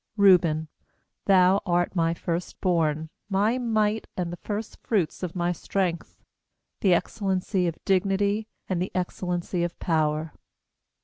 3Reuben, thou art my first born, My might, and the first fruits of my strength; The excellency of dignity, and the excellency of power.